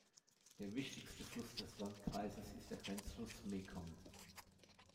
Der wichtigste Fluss des Landkreises ist der Grenzfluss Mekong.